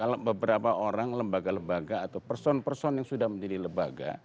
kalau beberapa orang lembaga lembaga atau person person yang sudah menjadi lembaga